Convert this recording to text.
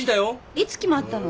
いつ決まったの？